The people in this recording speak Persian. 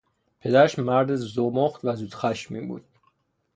پدرش مرد زمخت و زودخشمی بود.